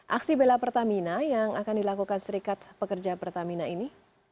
aksi bela pertamina yang akan dilakukan serikat pekerja pertamina ini